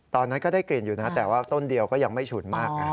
ตอนนั้นก็ได้กลิ่นอยู่นะแต่ว่าต้นเดียวก็ยังไม่ฉุนมาก